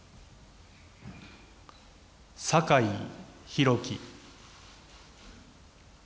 酒井宏樹。